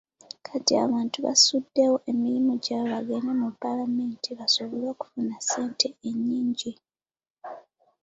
Kati abantu basuddewo emirimu gyabwe bagende mu Paalamenti basobole okufuna ssente ennyingi.